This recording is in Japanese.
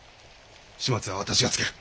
始末は私がつける。